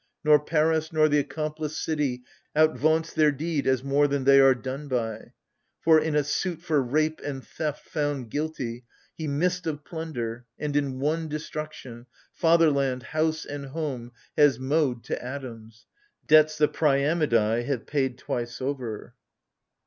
Nor Paris nor the accomplice city Outvaunts their deed as more than they are done by : For, in a suit for rape and theft found guilty. He missed of plunder and, in one destruction, Fatherland, house and home has mowed to atoms : Debts the Priamidai have paid twice over.